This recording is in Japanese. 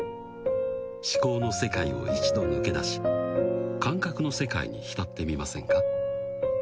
思考の世界を一度抜け出し感覚の世界に浸ってみませんか？